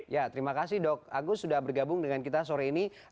ya terima kasih dok agus sudah bergabung dengan kita sore ini